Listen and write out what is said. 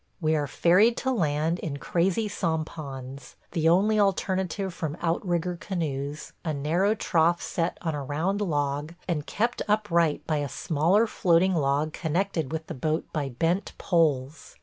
We are ferried to land in crazy sampans, the only alternative from out rigger canoes – a narrow trough set on a round log and kept upright by a smaller floating log connected with the boat by bent poles.